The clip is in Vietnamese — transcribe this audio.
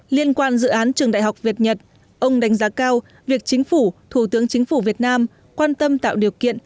liên quan dự án trường đại học việt nhật ông đánh giá cao việc chính phủ thủ tướng chính phủ việt nam quan tâm tạo điều kiện